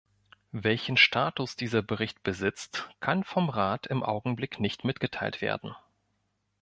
Welchen Status dieser Bericht besitzt, kann vom Rat im Augenblick nicht mitgeteilt werden.